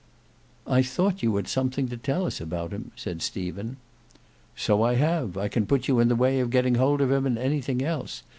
"I thought you had something to tell us about him," said Stephen. "So I have; I can put you in the way of getting hold of him and anything else.